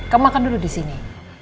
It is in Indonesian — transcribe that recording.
kamu makan dulu disini